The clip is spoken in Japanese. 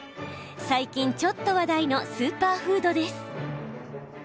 最近、ちょっと話題のスーパーフードです。